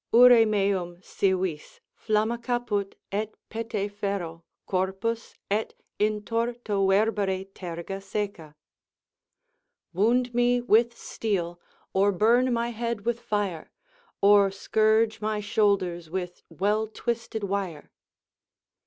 Uire meum, si vis, flamma caput, et pete ferro Corpus, et iutorto verbere terga seca. "Wound me with steel, or burn my head with fire. Or scourge my shoulders with well twisted wire."